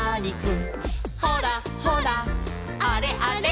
「ほらほらあれあれ」